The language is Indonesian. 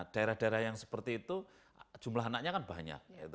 daerah daerah yang seperti itu jumlah anaknya kan banyak